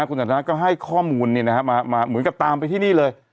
ก็ให้ข้อมูลเนี่ยนะครับมาเหมือนกับตามไปที่นี่เลย